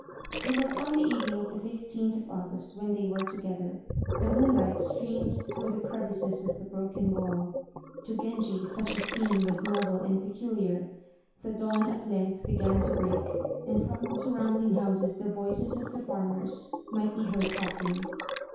It was on the evening of the 15th of August when they were together. The moonlight streamed through the crevices of the broken wall. To Genji such a scene was novel and peculiar. The dawn at length began to break, and from the surrounding houses the voices of the farmers might be heard talking.